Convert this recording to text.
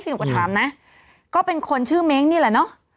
หนูก็ถามนะก็เป็นคนชื่อเม้งนี่แหละเนอะ